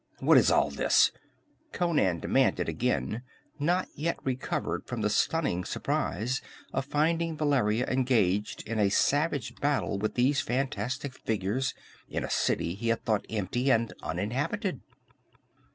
"What is all this?" Conan demanded again, not yet recovered from the stunning surprise of finding Valeria engaged in a savage battle with these fantastic figures in a city he had thought empty and uninhabited.